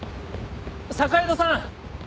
坂井戸さん！